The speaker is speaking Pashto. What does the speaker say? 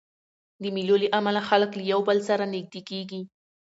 د مېلو له امله خلک له یو بل سره نږدې کېږي.